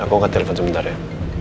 aku akan telepon sebentar ya